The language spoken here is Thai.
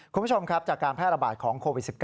คุณผู้ชมครับจากการแพร่ระบาดของโควิด๑๙